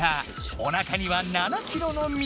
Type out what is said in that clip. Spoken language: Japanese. おなかには７キロの水！